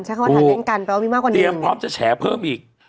คำว่าถ่ายเล่นกันแปลว่ามีมากกว่านี้เตรียมพร้อมจะแฉเพิ่มอีก